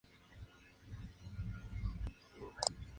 Además del Cristo, en este templo se encuentran dos cuadros-retablos.